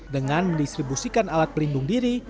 dengan mendistribusikan alat pelindung diri